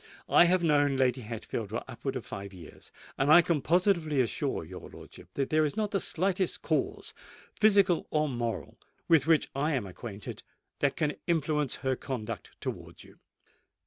I have known Lady Hatfield for upwards of five years; and I can positively assure your lordship that there is not the slightest cause, physical or moral, with which I am acquainted, that can influence her conduct towards you."